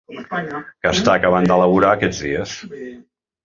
Que està acabant d’elaborar aquests dies.